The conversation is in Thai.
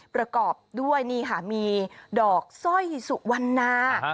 ประกอบด้วยนี่ค่ะมีดอกสร้อยสุวรรณา